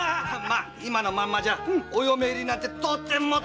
今のまんまじゃお嫁入りなんてとてもとても！